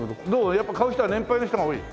やっぱ買う人は年配の人が多い？